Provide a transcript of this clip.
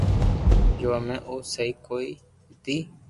جو مي او سھي ڪوئي ھتئ